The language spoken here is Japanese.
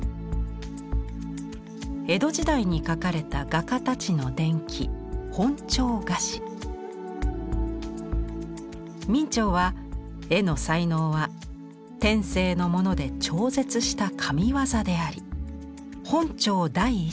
江戸時代に書かれた画家たちの伝記明兆は絵の才能は天性のもので超絶した神業であり「本朝第一」